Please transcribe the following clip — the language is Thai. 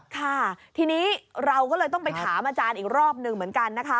ค่ะทีนี้เราก็เลยต้องไปถามอาจารย์อีกรอบหนึ่งเหมือนกันนะคะ